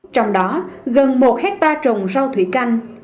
trong đó gần một hectare trồng rau thủy canh